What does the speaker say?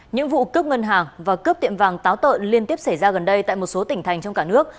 những vụ cướp ngân hàng và cướp tiệm vàng táo tợn liên tiếp xảy ra gần đây tại một số tỉnh thành trong cả nước